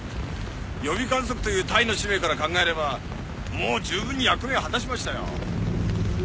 予備観測という隊の使命から考えればもう十分に役目は果たしましたよ